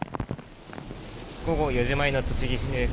午後４時前の栃木市です。